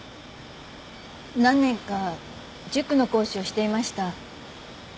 何年か塾の講師をしていました医学部専門の。